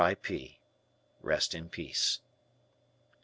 I. P." (Rest in Peace).